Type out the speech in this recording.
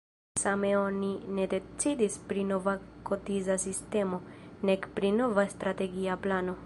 Same oni ne decidis pri nova kotiza sistemo, nek pri nova strategia plano.